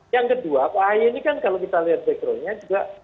yang kedua pak ahy ini kan kalau kita lihat backgroundnya juga